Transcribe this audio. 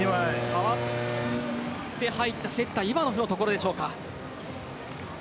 代わって入ったセッターイワノフのところでしょうか。